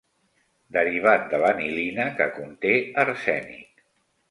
Derivat de l'anilina que conté arsènic.